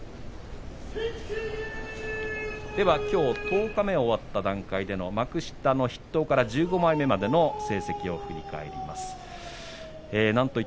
きょう十日目を終わった段階での幕下の筆頭から１５枚目までの成績を振り返ります。